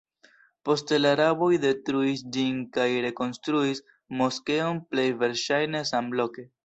Poste la araboj detruis ĝin kaj rekonstruis moskeon plej verŝajne samloke.